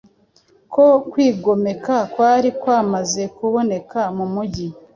ko kwigomeka kwari kwamaze kuboneka mu mujyi